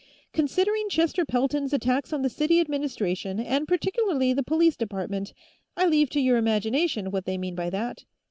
Considering Chester Pelton's attacks on the city administration and particularly the police department, I leave to your imagination what they mean by that.